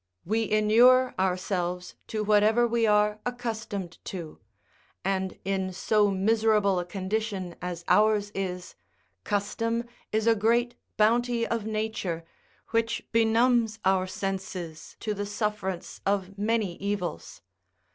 We inure ourselves to whatever we are accustomed to; and in so miserable a condition as ours is, custom is a great bounty of nature, which benumbs out senses to the sufferance of many evils.